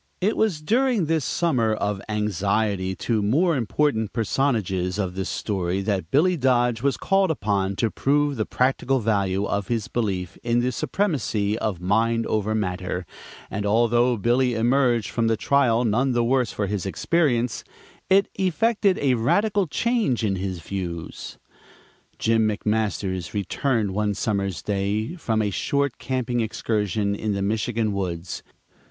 It was during this summer of anxiety to the more important personages of this story that Billy Dodge was called upon to prove the practical value of his belief in the supremacy of mind over matter, and although Billy emerged from the trial none the worse for his experience, it effected a radical change in his views. Jim McMasters returned one summer's day from a short camping excursion in the Michigan woods.